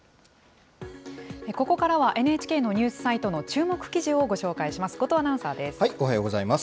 ここからは、ＮＨＫのニュースサイトの注目記事をご紹介します。